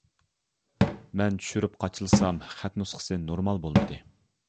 مەن چۈشۈرۈپ قاچىلىسام خەت نۇسخىسى نورمال بولمىدى.